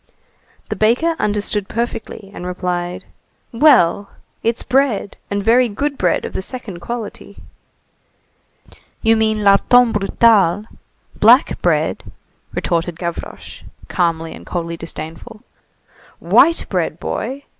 The baker understood perfectly, and replied:— "Well! It's bread, and very good bread of the second quality." "You mean larton brutal [black bread]!" retorted Gavroche, calmly and coldly disdainful. "White bread, boy!